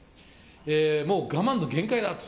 もう我慢の限界だと。